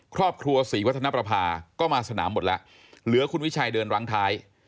ครอบครัวศรีวัฒนประภาก็มาสนามหมดแล้วเหลือคุณวิชัยเดินร้างท้าย